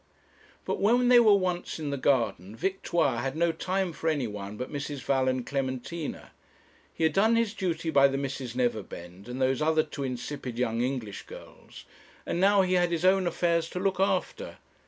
But when they were once in the garden, Victoire had no time for anyone but Mrs. Val and Clementina. He had done his duty by the Misses Neverbend and those other two insipid young English girls, and now he had his own affairs to look after.